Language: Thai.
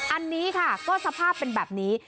อันนี้ค่ะก็สภาพเป็นแบบนี้